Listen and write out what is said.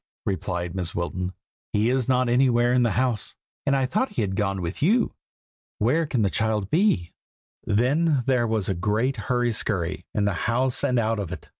replied Mrs. Wilton. "He is not anywhere in the house, and I thought he had gone with you. Where can the child be?" Then there was a great hurry scurry, in the house and out of it.